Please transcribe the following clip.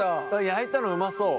焼いたのうまそう。